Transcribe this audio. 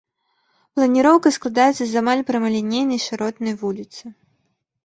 Планіроўка складаецца з амаль прамалінейнай шыротнай вуліцы.